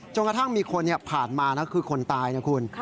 กระทั่งมีคนผ่านมาคือคนตายนะคุณ